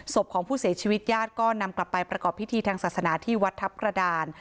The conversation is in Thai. ศพของผู้เสียชีวิตญาติก็นำกลับไปประกอบพิธีทางศาสนาที่วัดทัพกระดาน